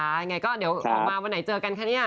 ยังไงก็เดี๋ยวออกมาวันไหนเจอกันคะเนี่ย